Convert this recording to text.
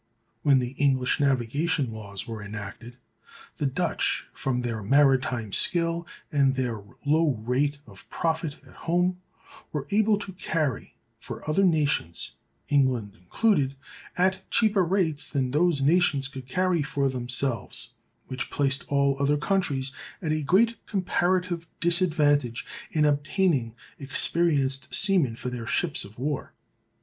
When the English navigation laws were enacted, the Dutch, from their maritime skill and their low rate of profit at home, were able to carry for other nations, England included, at cheaper rates than those nations could carry for themselves: which placed all other countries at a great comparative disadvantage in obtaining experienced seamen for their ships of war.